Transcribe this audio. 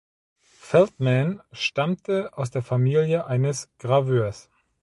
Feldman stammte aus der Familie eines Graveurs.